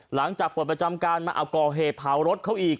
หลังจากเปิดประจำการมาเอาก่อเหตุเผารถเขาอีก